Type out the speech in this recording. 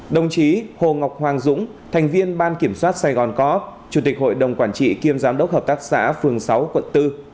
đồng chí hồ ngọc hoàng dũng thành viên ban kiểm soát sài gòn có chủ tịch hội đồng quản trị kiêm giám đốc hợp tác xã phường sáu quận bốn